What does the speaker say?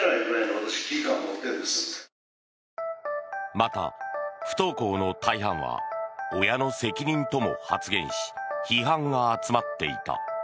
また、不登校の大半は親の責任とも発言し批判が集まっていた。